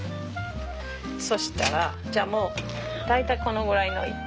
そしたらじゃあもう大体このぐらいの色。